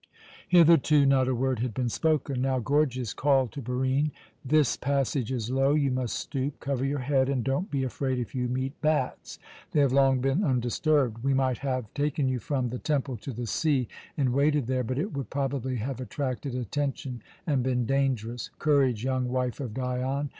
Hitherto not a word had been spoken. Now Gorgias called to Barine: "This passage is low you must stoop. Cover your head, and don't be afraid if you meet bats. They have long been undisturbed. We might have taken you from the temple to the sea, and waited there, but it would probably have attracted attention and been dangerous. Courage, young wife of Dion!